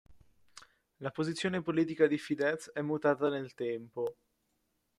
La posizione politica di Fidesz è mutata nel tempo.